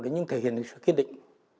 nhưng thể hiện lên sự kết định